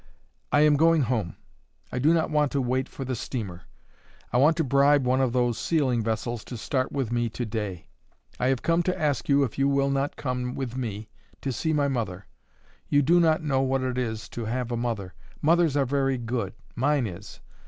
I am going home; I do not want to wait for the steamer; I want to bribe one of those sealing vessels to start with me to day. I have come to ask you if you will not come with me to see my mother. You do not know what it is to have a mother. Mothers are very good; mine is.